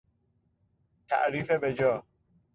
تعریف بجا